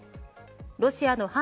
ロシアの反